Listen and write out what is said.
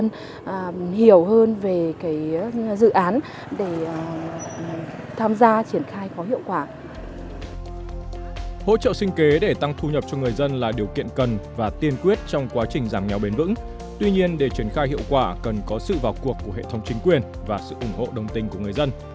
hỗ trợ sinh kế để tăng thu nhập cho người dân là điều kiện cần và tiên quyết trong quá trình giảm nghèo bền vững tuy nhiên để triển khai hiệu quả cần có sự vào cuộc của hệ thống chính quyền và sự ủng hộ đồng tình của người dân